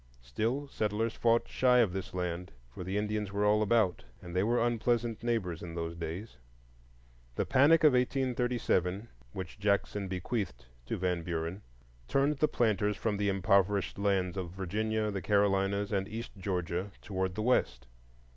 Still, settlers fought shy of this land, for the Indians were all about, and they were unpleasant neighbors in those days. The panic of 1837, which Jackson bequeathed to Van Buren, turned the planters from the impoverished lands of Virginia, the Carolinas, and east Georgia, toward the West.